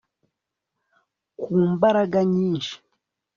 ku mbaraga nyinshi